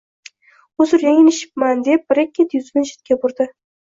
Uzr, yanglishibman, deb Brekket yuzini chetga burdi